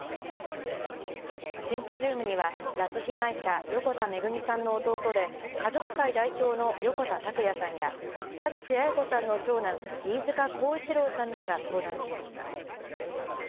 シンポジウムには、拉致被害者、横田めぐみさんの弟で、家族会代表の横田拓也さんや、田口八重子さんの長男、飯塚耕一郎さんらが登壇しました。